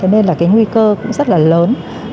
nên là cái nguy cơ cũng rất là lớn